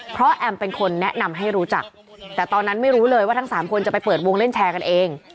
เพราะแอมเป็นคนแนะนำให้รู้จักแต่ตอนนั้นไม่รู้เลยว่าทั้งสามคนจะไปเปิดวงเล่นแชร์กันเอง